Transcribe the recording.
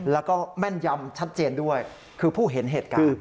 แล้วก็แม่นยำชัดเจนด้วยคือผู้เห็นเหตุการณ์